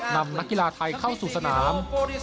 นักกีฬาไทยเข้าสู่สนาม